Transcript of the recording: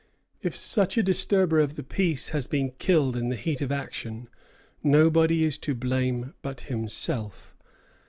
If such a disturber of the peace has been killed in the heat of action, nobody is to blame but himself.